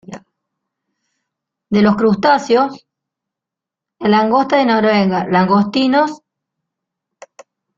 De los crustáceos, la langosta de Noruega, langostinos y camarones marinos se pescan comercialmente.